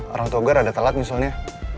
orang tua gue rada telat misalnya